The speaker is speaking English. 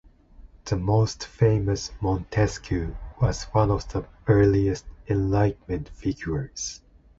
The most famous, Montesquieu, was one of the earliest Enlightenment figures.